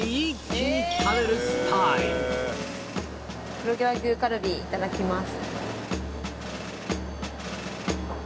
黒毛和牛カルビいただきます。